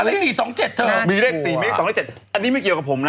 อะไรสี่สองเจ็ดมีเลขสี่ไม่ได้สองเจ็ดอันนี้ไม่เกี่ยวกับผมน่ะ